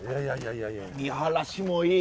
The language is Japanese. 見晴らしもいい。